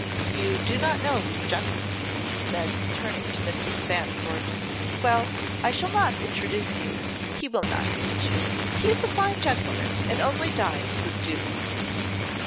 You do not know this gentleman,' she said, turning to Mrs. Fan court. 'Well, I shall not introduce you; he will not suit you; he is a fine gentleman, and only dines, with dukes.